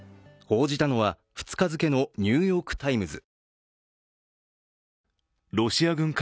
報じたのは２日付の「ニューヨーク・タイムズ」。